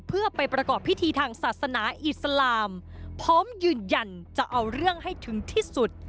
เพื่อไปประกอบพิธีทางศาสนาอิสลามพร้อมยืนยันจะเอาเรื่องให้ถึงที่สุด